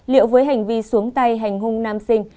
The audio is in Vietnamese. liệu với hành vi xuống tay hành hung nam sinh